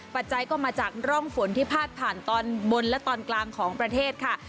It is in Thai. ปัจจัยก็มาจากร่องฝนที่พาดผ่านตอนบนและตอนกลางของประเทศค่ะ